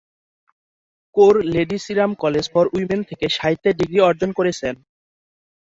Kaur Lady Shri Ram College for Women থেকে সাহিত্যে degree অর্জন করেছেন।